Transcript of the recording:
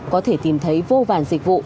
có thể tìm thấy vô vàn dịch vụ